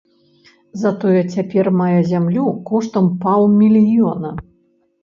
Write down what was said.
Затое цяпер мае зямлю коштам паўмільёна!